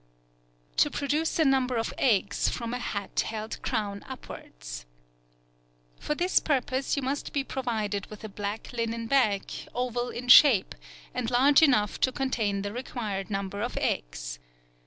To Produce a number of Eggs from a Hat held Crown upwards.—For this purpose you must be provided with a black linen bag, oval in shape, and large enough to contain the required number of eggs.